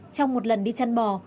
trong một lần đi chăn bò